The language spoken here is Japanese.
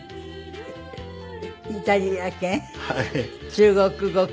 中国語圏。